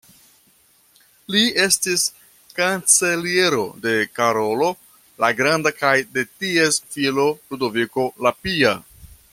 Li estis kanceliero de Karolo la Granda kaj de ties filo Ludoviko la Pia.